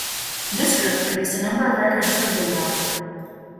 This group produced a number of records for Blue Note.